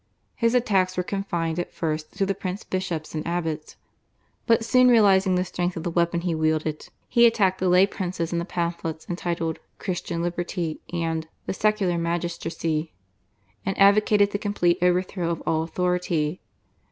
His attacks were confined at first to the prince bishops and abbots, but soon realising the strength of the weapon he wielded, he attacked the lay princes in the pamphlets entitled /Christian Liberty/ and /The Secular Magistracy/, and advocated the complete overthrow of all authority.